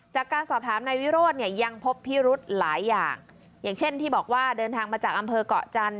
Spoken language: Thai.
จากการสอบถามนายวิโรธเนี่ยยังพบพิรุธหลายอย่างอย่างเช่นที่บอกว่าเดินทางมาจากอำเภอกเกาะจันท